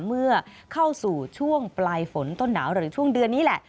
เมื่อเข้าสู่ช่วงปลายฝนต้นหนาวหรือช่วงเดือนนี้แหละ